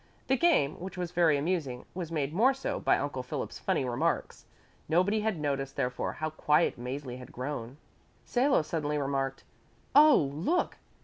The game, which was very amusing, was made more so by Uncle Philip's funny remarks. Nobody had noticed therefore how quiet Mäzli had grown. Salo suddenly remarked, "Oh, look!